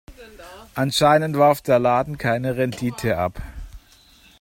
Anscheinend warf der Laden keine Rendite ab.